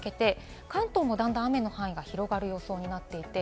夜にかけて関東も段々、雨の範囲が広がる予想になっていて、